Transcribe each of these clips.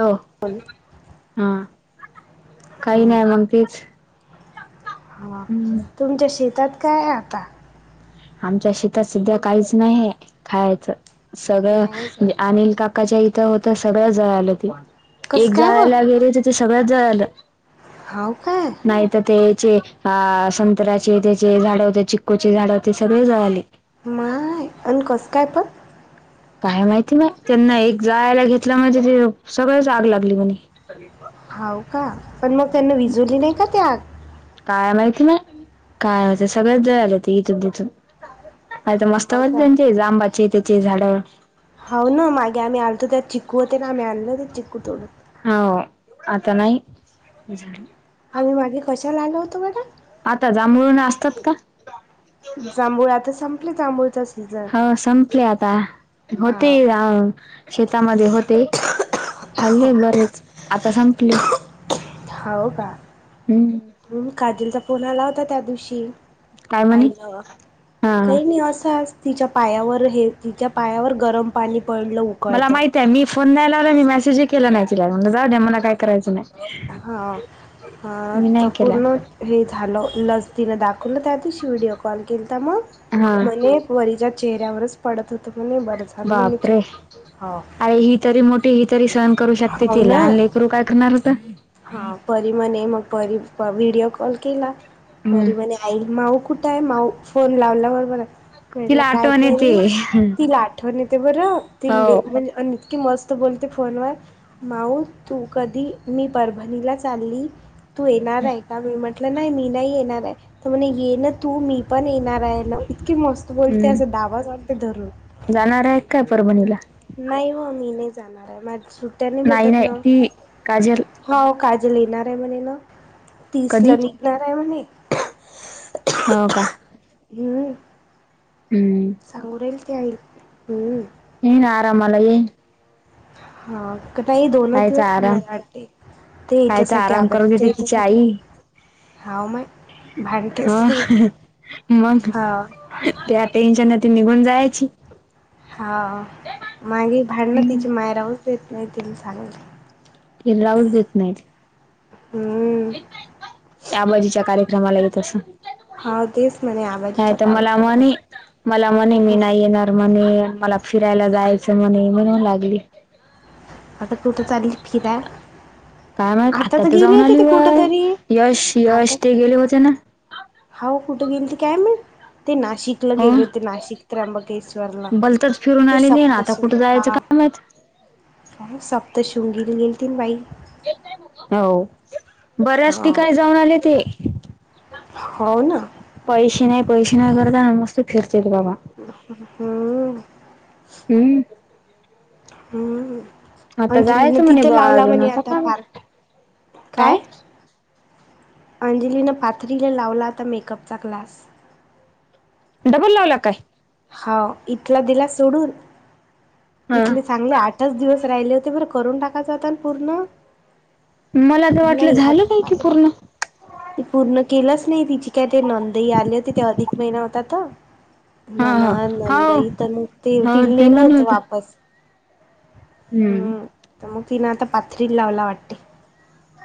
हो पण हा काही हं, नाही मग तच हा तुमच्या शेतात काय आता आमच्या शेतात सध्या काहीच नाही खायचं सगळं नाही काय म्हणजे अनिल काका काकाच्या इथं होत सगळ्याच जळ आलं ते कसं एक काय जाळायला गेर तर ते सगळ्यात जय आलं ह काय नाही तर त्याचे संत्र्याचे त्याचे झाड होते चिक्कूचे झाड होते सगळे झाळाले माय अन कस काय पण काय माहिती नाही त्यांना एक जायला घेतलं म्हणज त सगळच आग लागली म्हणे तरी हाव का पण मग त्यांना विजवली नाही का त्या काय माहिती ना काय माहि सगळच जळ आले ते इथून तिथून अ तर मस्त हाव होते का त्यांचे जांबाचे त्याचे झाड हो ना मागे आम्ही आणलतो त्या चिक्ू होते ना आम्ही आणलो ते चिककू तोडत हो आता नाही झा आम्ही मागे कशाला आलो होतो बड आता जांभळना असतात का जांभूळ आता संपले जांभूळच ह संपले आता हा होते अ शेतामध्ये होते खाल्ले बरेच आता संपले हम्म काजीलचा फोन आला होता त्या दिवशी काय म्हणे आईल हा हा काही नाही असा तिच्या पायावर हे तिच्या पायावर गरम पाणी पडलं मला उकळतं माहिित आहे मी फोन द्याय लावला मी मेसेजही केला नाही जाऊ दे मला काय करायचं नाही हां ह मी तर नाही केला. पूर्ण हे झालं लस तिनं दाखवलं त्याआ दिवशी व्हिडिओ कॉल केलं तर मग हा म्हणे वरीच्या चेहऱ्यावरच पडत होतं म्हण बरंच बापरे अरे ह तरी मोठी ही तरी सहण करू शकते हो ती लहान ना लेकरू काय करणार होत हा परी म्हणे मग परी व्हिडिओ कॉल केला हम्म परी म्हणे आई माऊ कुठे आहे माऊ फोन लावला बबर म्हटलं तिला काय आठवण येते परी तिलाट आठवन येते बरं हो ति म्हणज इतकी मस्त बोलते फोन व माऊ तू कधी मी परभणीला चालली तू येणार आहे मी म्हटलं नाही मी नाही येणार आहे तर म्हण ये ना तू मी पण येणार आहे ना इतकी मस्त बोलते हम्म असं दावाज आणते धरून जाणार आहेत काय परभणीला नाही हो मी नाही जाणार आहे माझ सुट्ट्याने नाही भेटत नाही ना ती काजल होा काजल येणार आहे म्हणे ना. तीस कधी ला निघणार आहे म्हणे हो का! ह हम्म. [unintelligible] [unintelligible] हा. का नाही दोनच कायचा दिवस आराम थांबयला वाटते ते कायचा याच्यासाठी आराम करू आबाजीच्या देते तिची याच्यासाठी. आई [unintelligible] ते त्या टेन्शन ते निघून जायची. हा मागे भांडणं तिच्या ती मायरावरच येत नाही तिने सांगलं. रावच देत नाहीत. हम्म. त्या बाजीच्या कार्यक्रमाला येत अस हा तेच म्हणे नाही आबाजीच्या तर. मला कार्यक्रमात मणे मला मणे मी हम्म नाही येणार. मणे मला फिरायला जायचं म्हणे म्ह लागली आता तुठं चालेल फिर? काय माहत? आत्ता तर जाऊन आली व कुठं तरी यश यश ते गेले होते ना. हो कुठं गेल ते काय माहीत? ते नाशिक हो गेले होते नाशिक त्र्यंबकेश्वरला भलतच फिरून ते आले ना आता सपतस कुठं जायचं हा. काम आहेत. सप्त शुंगीली गेल त बाई. हो बऱ्याच हा ठिकाणी जाऊन आले ते. हो ना. पैसे नाही पैसे नाही करत आणि मस्त फिरचेल बाबा हम्म. हम हम. आता जायचं म्हणे ब अजून आता. काय? अंजलीने पाथरीला लावला आता मेकअपचा ग्लास. डबल लावला काय? हा इथला दिला सोडून. हा. इथलेच चांगले आठच दिवस राहिले होते, करून टाकायच होता पूर्ण. मला तर वाटलं झालं काय की पूर्ण. त पूर्ण केलंच नाही. तिची काय ते नणंद आली होती. ते अधिक महिना होतात. ना हा ना हा. हो नंदाई तर मग ते ति हो ते नेलं म्हण होत होते. वापस. हम्म. तर मग तिन आता पाथरीन लावयला वाटते.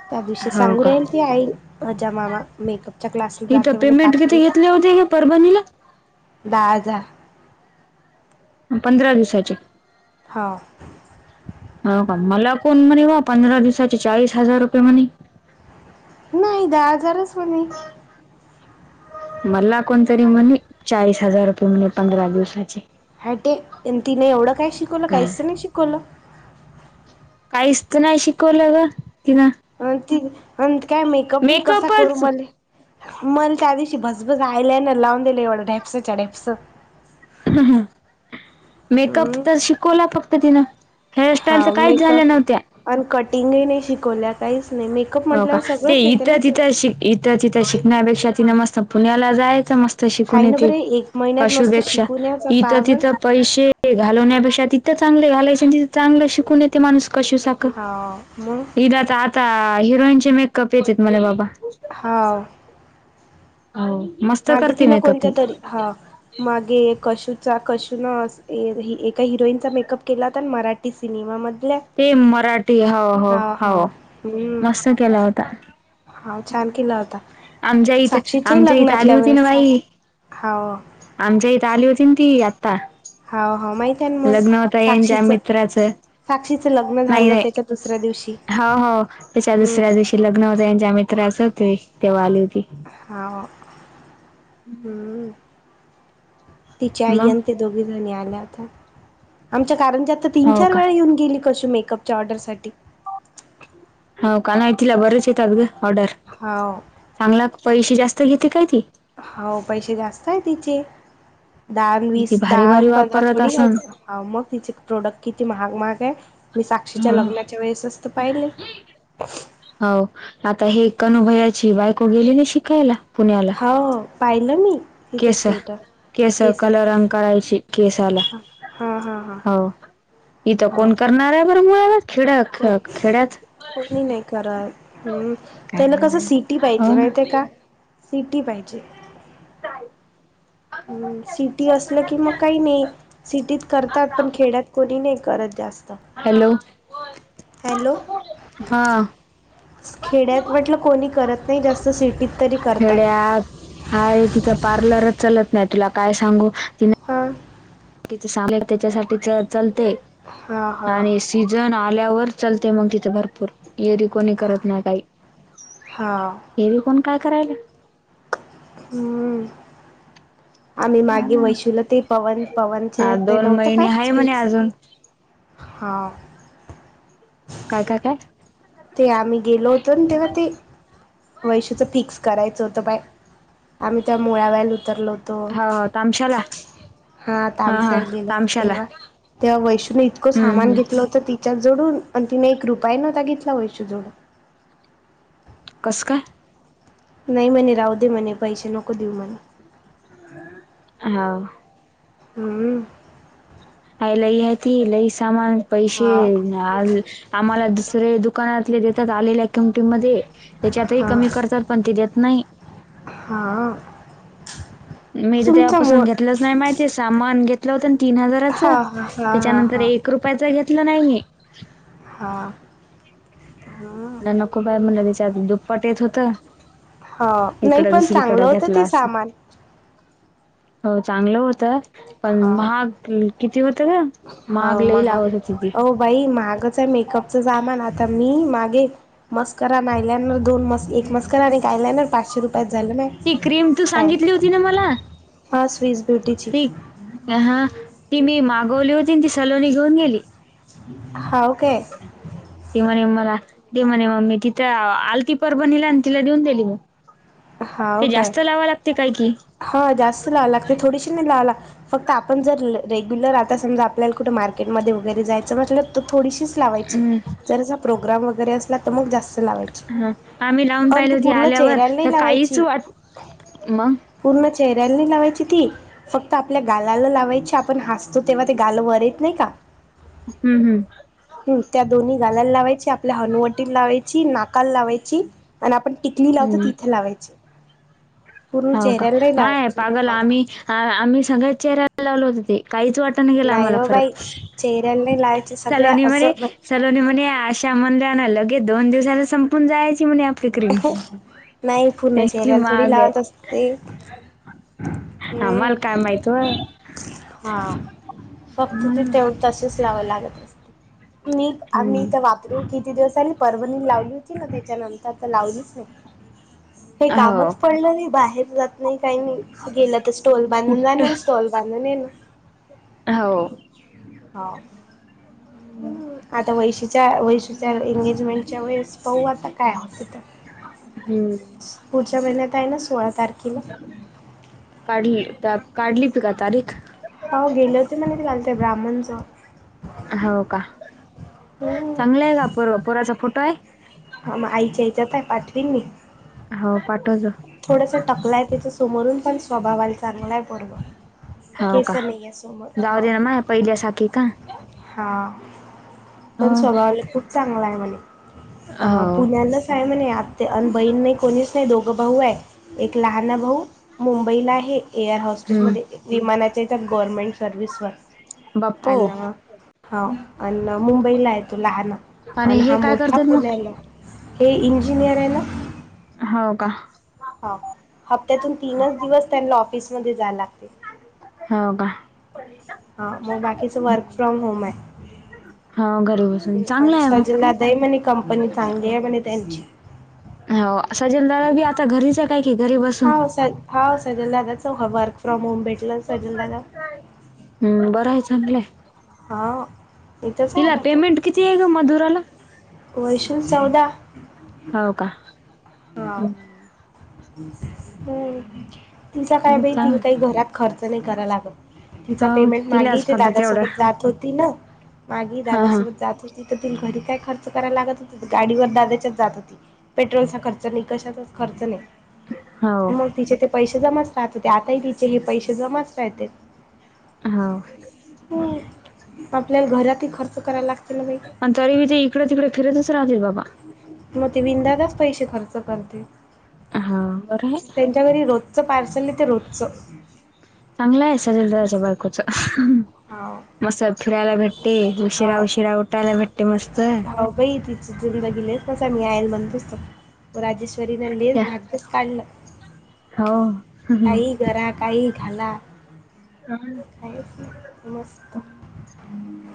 त्या दिवशी हो सांगू का राहील. ती आई माज्या मामा मेकअपच्या क्लासला इथं जाते म्ह पेमेंट किती पातळीला. घेतले होते का परभणीला. दहा हजार. पंधरा दिवसाचे. हां. हो का. मला कोण म्हणे बा पंधरा दिवसाचे चाळीस हजार रुपये म्हणे. नाही दहा हजारच होणे. मला कोणतरी म्हणे. चाळीस हजार रुपये म्हणे पंधरा दिवसाचे. हाटे. तिने एवढं काय शिकवलं काय काहीच नाही शिकवलं. काहीच नाही शिकवलं ग तिला. अ ती काय मेकअप कसा करून मेकअपच मले. मला त्या दिवशी भसभस आयलाईनर लावून दिलं एवढं ढेपच्या ढेप्स. ह ह हा मेकअप हम्म त शिकवला फक्त तिनी हेअरस्टाईल हा त काहीच झाल्या मेकअप नव्हत्या. आणि कटिंगही नाही शिकवल्या काहीच नाही मी हो का ते इथं तिथं शिक इथं तिथं शिकण्यापेक्षा तिनं मस्त पुण्याला जायचं म त शिकून हाय ना येते बरे एक महिन्यात कशू मस्त पेक्षा शिकून यायचा ती इथं पाहा बर तिथं पैसे घालवण्यापेक्षा तिथं चांगले घालायचे आणि तिथं चांगलं शिकून ये ते माणूस कशी साकर हा मग हिनं त आता अ हिरोईनचे मेकअप येतेत मला बाबा हाव हो मस्त करते मेकअप ही हाव मागे कशूचा कशु न ए एका हिरोईनचा मेकअप केला होता ना मराठी सिनेमामध्ये ते मराठी हाव हो हा हो हम्म मस्त केला होता. हा छान हं केला होता आमच्या इथ आमच्या इथ आली होती ना बाई हाव. आमच्या इथं आली होती न ती आ ता हा हा माहित आहे ना मग लग्न होतं यांच्या साक्षीचं मित्राचं साक्षीचं लग्न नाही झालं नाही त्याच्या दुसऱ्या दिवशी हो हो त्यांच्या हम्म दुसऱ्या हम्म दिवशी ते लग्न होतं त्यांच्या मित्राचं होत ते तेव्हा आली होती. हा हं हम्म तिच्या आई मग आणि ती दोघीजणी आल्या होत्या. आमच्या कारंज्यात त तीन हो चार का वेळा येऊन गेली कशु मेकअप च्या ऑर्डरसाठी होव का नाय तिला बरेच येतात ग ऑर्डर हाव. चांगला पैसे जास्त घेते काय ती होव पैसे जास्त आहे तिचे दहा ती वीस भारी दहा भारी पंधरा वापरत थोडी असन घ्यायचं हाव मग तिचे प्रोडक्ट किती महाग महाग ये. मी साक्षीच्या लग्नाच्या वेळेसच त पाहिले. हो आता हे कनुभैयाची बायको गेली ना शिकायला. पुण्याला हा ओ पाहिलं मी तिचा केस स्टेटस केस केसाच. कलरंग करायची केसाला हा हा हा हा हो इथं कोण करणार आहे बरं मुळावत कोनं कोणी नाही करत हम्म त्याला काय कसं सि टी पाहिजे हो ना माहितेय का सिटी पाहिजे. हम्म सिटी असलं की मग काही नाही सिटीत करतात पण खेड्यात कोणी नाही करत जास् हॅलो हा खेड्यात म्हटलं कोणी करत नाही जास्त सिटीत तरी करतात. हा एकीचा पार्लरच चलत नाय तुला काय सांगू तिनं हां तिचं सालंय त्यांच्यासाठीच चलतंय हां हां आणि सीझन आल्यावर चालत मंग तिथे भरपूर येरी कोणी करत नाय काई हां एरवी कोण काय करायला हं आम्ही मागे वैशुला ते पवन पवनचे हा ते दोन नव्हतं महिने का आहे म्हणे स्पीच अजून हा काय काय काय ते आम्ही गेलो होतो ना तवा ते वैशुचं फिक्स करायचं होतं पाय आम्ही त्या मुळ्यालाल उतरलो होतो. हो तामशाला हा हा तामसार गेल होत तामशाला तेव्हा तेव्हा वैष्णूने इतकं हम्म सामान हम्म घेतलं होत. तिच्यात जोडून आणि तिने एक रुपय नव्हता घेतला वैश जोडून कसं का? नाही म्हणे राहू दे म्हणे पैसे नको देऊ म्हणे. हा. हम्. आय लय त लय सामान पैसे हा आ आम्हाला दुसरे दुकानातले देतात आलेल्या किमट मध्ये त्याच्या आतही हा कमी करतात पण ते देत नाही. हा. मी तर तुमचा तेवपासून मूळ घेतलंच नाही माहितीये सामान घेत. होत तीन हजाराच हा हा हा हा त्याच्यानंतर हा एक रुपयाचं घेतलं नाहीये. हां ह. म्हणलं नको बाय म्हटलं त्यांच्या आधी दुप्पट येत होतं. हा नाही इकड पण दुसरीकड चांगलं होतं घेतला ते अस. सामान हो चांगलं होतं पण हा महाग किती होत का? माग हो लई महा लावत हो तिथी बाई मागच आहे मेकअपच सामान आता मी मागे मस्कररा ना आहिल्यानवर दोन मस् एक मस्कररान एक आल्यानवर पाचशे रुपयात झालं नाही. ही क्रीम तू सांगितली होती ना मला हां स्वीज ब्युटीची अ ह ती मी मागवली होती ती सलोणी घेऊन गेली. ह का? ते म्हणे मला ते म्हणे मग मी तिथं आलती पर बनला आणि तिला देऊन दिली मग हाव ते काय जास्त लावा लागते काय कि हा जास्त लावं लागते थोडीशी नाही लाव ला फक्त आपण जर रेग्युलर आता समजा आपल्याला कुठे मार्केटमध्ये वगैरे जायचं न तर थोडीशीच लावायची हम्म, जर प्रोग्राम वगैरे असला तर मग जास्त लावायचे हा. आम्ही लावून अ पाहिली ते होती पूर्ण आल्यावर चेहऱ्याला तर नाही काहीच लावायची. [unintelligible] पूर्ण चेहऱ्यानी लावायची ती फक्त आपल्या गालाला लावायची आपण हसतो तेव्हा ते गाल वरेत नाही का? हम् हम्म. ह त्या दोन्ही गालायला लावायची आपल्या हनुवटी लावायची नाकाल लावायची आणि आपण टिकली लावत हम्म. तिथे लावायचे. हो का माय लावायची पागल हो आम्ही आम्ही सगळ्या चेहऱ्याला लावलो होत ते काहीच वाट तन गला नाही मला हो फर बाई चेहऱ्याला नाही लावायचे सगळ्या सलोनी मर असं चल आणि म्हणे अशा मंद्रना लगे दोन दिवसाला संपून जायची म्हणे. क्रीम म्हण नतकी महाग आहे. ते आमल कायमयतो. हा फक्त ते हम्म. तेवढ तसच लावावे लागत असते. मी आम्ही इथ वापरू किती दिवसली परवणी लावली होती ना त्याच्यानंतर आ तर लावली. हे हो कामच पडलं नाही बाहेर जात नाही काही नाही. गेला तर स्टॉल बंद जा कुठ ना स्टॉल बंद ना. हो. हो आता वैशीच्या वै त्या एंगेजमेंटच्या वेळेस पाह आता काय होते तर हम्म. पुढच्या महिन्यात आहे ना सोळा तारखेला काढली काढली प का तारीख हो गेले होते म त तेलत ब्राह्मणचं. हो का हम्म. चांगलय का पोर्व पोराचा फोटोय? हा मग आईच्या हेजात हाय पाठवीन मी हो पाठवतो. थोडसं टकलाय तेच्या समोरून पण स्वभावाला चांगलाय पोरगं केसर नाहीय समोर हा. हा पहिल्या साखी का? हा पण हो स्वभाव खूप चांगला हाय म्हणे हो पुण्याला काय म्हणे आत्या अन बहीण नाय कोणीच नाही दोघं भाऊ हाय एक लहान भाऊ मुंबईला आहे एअर हाऊ ऑफिसमध्ये हम्म विमानाचे गव्हर्मेंट सर्व्हसवर बाप्पो आणि ना हौव अन मुंबईलाय तो लहान आणि आण हे हा काय मोठा करतात मग पुण्यालाय हे इंजिनियर हाय ना होउ का? हं हप्त्यातून तीनच दिवस त्यांना ऑफिसमध्ये जायाला लागतंय. हो का? हा म बाकीचं वर्क फ्रॉम होम हाय. हव घरी बस सजला द आहे म्हणे कंपनी चांगलीये म्हणे तेची हो [unintelligible] घरी जगा की घरी बसून हा स हौ सजलदादाच वर्क फ्रॉम होम भेटलं सजलदादा हम्म बरंय चांगलाय हा. इथंच हिला आहे पेमेंट कितीय गं मधुराला? वर्षाला चौदा हौउ का? [inaudible] हम्म तिचा काय हम्म. बाई तिला चांग काही घरात खर्च नाइ कराय लागत. तिचा हो पेमेंट मागे तिलाच ते फक्त दाद तेवढं सोबत जात होती ना मागे हा हा. दादासोबत जात हो तिथं ति घरी काय खर्च करायला लागत होती तर गाडीवर दादाच्या जात होती. पेट्रोलचा खर्च नाइ कशाचाच खर्च नाइ. हो मग तिचे ते पैसे जमाच राहत होते आताही तिचे हे पैसे जमाच राहतेत. हा अ. आपल्याला घरातही खर्च करायला लागत ना बाई. आणि तरी ती इकड तिकड फिरतच राहती बाबा. मग ती विधाचच पैसे खर्च करते. हा आ बरोबर. तेच्या घरी रोजचं पार्सल येतय रोजचं. चांगलाय [unintelligible] बायकुच. हा मस्त फिरायला भेटते उशिरा हा उशिरा उठायला भेटते मस्त. हो बाई ती [unintelligible] राजेश [unintelligible] त्या भाग्यच काढलं हो काही गरा, काही घाला. [inaudible] काहीच नाही मस्त हम्म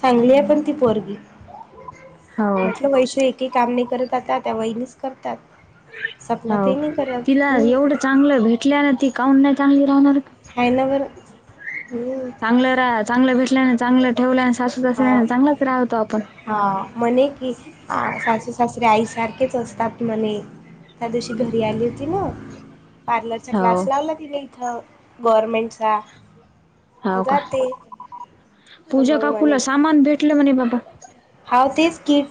चांगलीय पण ती पोरगी. हो. म्हटलं वैषी एकही काम नाइ करत आता त्या वहिलीच करतात. सपना ते नाइ करत हम्म. चांगलय भेटल्या ना ती काउन नाइ चांगली राहणार? हाय ना बरं हम्म चांगलं रा चांगलं भेटल्यान चांगलं ठेवलं अ सासू हा सासर्या चांगलाच राहतो आपण हा म्हणे कि आ सासू सासरे आईसारखेच असतात म्हणे. त्या दिवशी घरी आली होती न पार्लरचा हो क्लास लावला तिने इथं गवर्मेंटचा तर हो का जाते. तर पूजा मग काकूला सामान भेटलं म्हणे बाबा हा तेच कीट